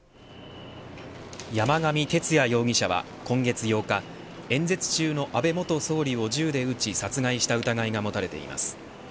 山上徹也容疑者は今月８日演説中の安倍元総理を銃で撃って殺害した疑いが持たれています。